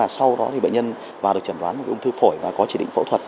sau đó thì bệnh nhân vào được chẩn đoán ung thư phổi và có chỉ định phẫu thuật